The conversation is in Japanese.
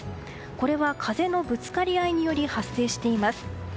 これは風のぶつかり合いにより発生しています。